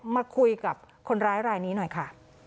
มาคุยกับคนร้ายรายนี้หน่อยค่ะ